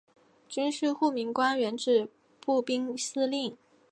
军事护民官原指步兵司令。